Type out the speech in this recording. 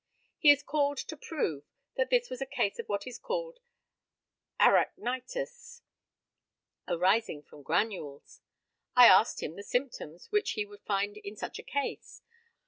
He is called to prove that this was a case of what is called arachnitis, arising from granules. I asked him the symptoms which he would find in such a case.